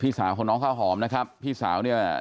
พี่สาวของน้องข้าวหอมนะครับพี่สาวอยู่กับน้องนะครับ